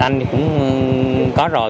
anh cũng có rồi